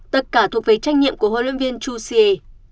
tất cả thuộc về trách nhiệm của huấn luyện viên chú siê